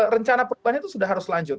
rencana perubahan itu sudah harus lanjut